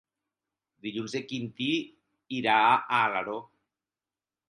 Dilluns en Quintí irà a Alaró.